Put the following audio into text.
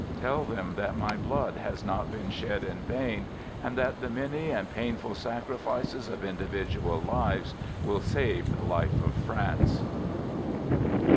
Tell them that my blood has not been shed in vain, and that the many and painful sacrifices of individual lives will save the life of France.